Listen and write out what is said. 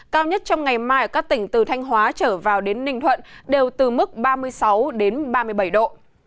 cao nhất trong ngày mai ở các tỉnh từ thanh hóa trở vào đến ninh thuận đều từ mức ba mươi sáu ba mươi bảy độ